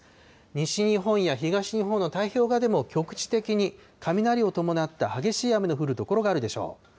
西日本や東日本の太平洋側でも局地的に雷を伴った激しい雨の降る所があるでしょう。